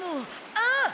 あっ！